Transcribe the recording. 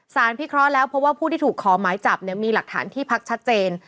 พิเคราะห์แล้วเพราะว่าผู้ที่ถูกขอหมายจับเนี่ยมีหลักฐานที่พักชัดเจน